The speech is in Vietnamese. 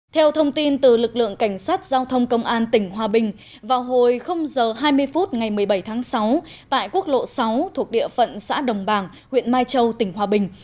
theo thông tin từ lực lượng cảnh sát giao thông công an tỉnh hòa bình vào hồi h hai mươi phút ngày một mươi bảy tháng sáu tại quốc lộ sáu thuộc địa phận xã đồng bàng huyện mai châu tỉnh hòa bình